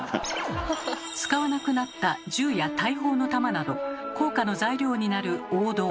使わなくなった銃や大砲の弾など硬貨の材料になる黄銅